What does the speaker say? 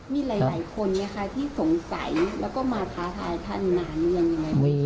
มีหลายคนไหมคะที่สงสัยแล้วก็มาท้าทายท่านนานยังไง